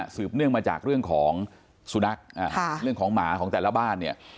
เนื่องมาจากเรื่องของสุนัขเรื่องของหมาของแต่ละบ้านเนี่ย